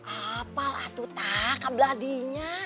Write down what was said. apal atuh tak kabladinya